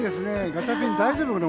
ガチャピン、大丈夫かな？